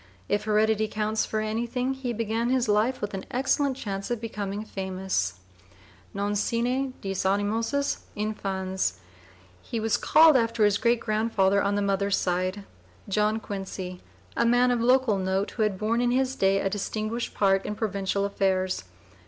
If heredity counts for anything he began life with an excellent chance of becoming famous non sine dîs animosus infans. He was called after his great grandfather on the mother's side, John Quincy, a man of local note who had borne in his day a distinguished part in provincial affairs.